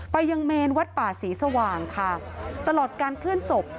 ยังเมนวัดป่าศรีสว่างค่ะตลอดการเคลื่อนศพ